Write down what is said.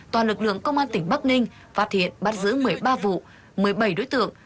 toàn lực lượng công an tỉnh bắc ninh phát hiện bắt giữ một mươi ba vụ một mươi bảy đối tượng